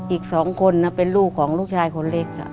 อีก๒คนเป็นลูกของลูกชายคนเล็ก